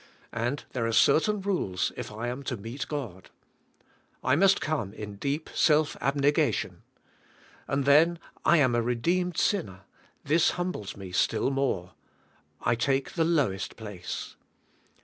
And there are certain rules if I am to meet God. I must come in deep self abne g ation. And then I am a redeemed sinner; this humbles me still more. I take the lowest place.